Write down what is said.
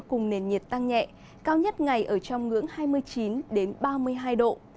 cùng nền nhiệt tăng nhẹ cao nhất ngày ở trong ngưỡng hai mươi chín ba mươi hai độ